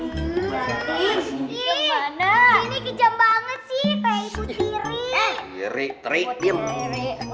gini kejam banget sih teh putih rik